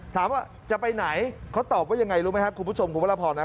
ถามว่าจะไปไหนเขาตอบว่ายังไงรู้ไหมครับคุณผู้ชมคุณพระราพร